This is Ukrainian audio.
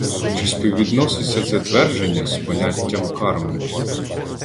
Чи співвідноситься це твердження з поняттям карми?